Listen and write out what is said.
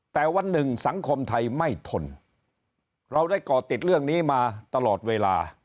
แต่วันหนึ่งสังคมไทยไม่ทนเราได้ก่อติดเรื่องนี้มาตลอดเวลา